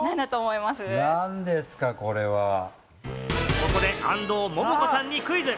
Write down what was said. ここで安藤桃子さんにクイズ。